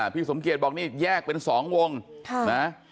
พี่สมเกียจบอกนี่แยกเป็น๒วงนะ